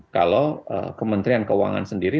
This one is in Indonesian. kalau kementerian keuangan sendiri